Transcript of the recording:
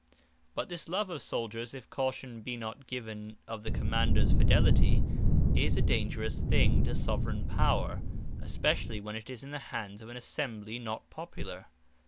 But this love of Souldiers, (if caution be not given of the Commanders fidelity,) is a dangerous thing to Soveraign Power; especially when it is in the hands of an Assembly not popular.